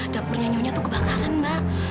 dapurnya nyonya itu kebakaran mbak